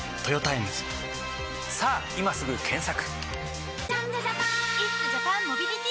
さぁ今すぐ検索！